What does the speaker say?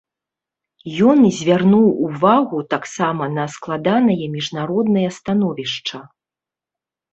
Ён звярнуў увагу таксама на складанае міжнароднае становішча.